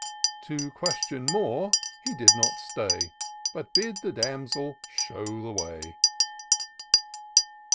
To question more he did not stay. But bade the damsel shew the way.